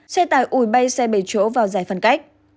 xe tải ủi bay xe bảy chỗ vào giải phân cách